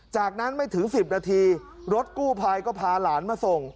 จากนั้นไม่ถึง๑๐นาทีรถกู้ภัยก็พาหลานมาส่ง